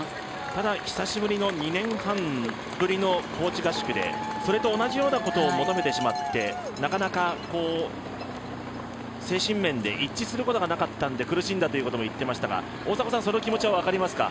ただ、久しぶりの２年半ぶりの高地合宿でそれと同じようなことを求めてしまって、なかなか精神面で一致することがなかったので、苦しんだということも言っていましたがその気持ちは分かりますか。